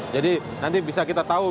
jadi nanti bisa kita tahu